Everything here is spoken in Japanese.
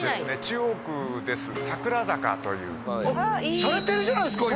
中央区です桜坂というシャレてるじゃないですか